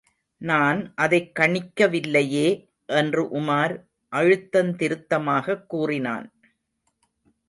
நான் அதைக் கணிக்கவில்லையே! என்று உமார் அழுத்தந்திருத்தமாகக் கூறினான்.